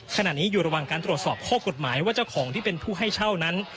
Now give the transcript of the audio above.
ขณะนี้อยู่ระหว่างการตรวจสอบข้อกฎหมายว่าเจ้าของที่เป็นผู้ให้เช่านั้น